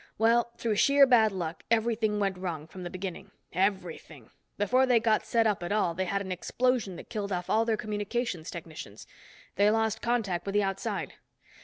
Well, through sheer bad luck everything went wrong from the beginning. Everything. Before they got set up at all they had an explosion that killed off all their communications technicians. They lost contact with the outside.